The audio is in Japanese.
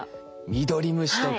ミドリムシとか。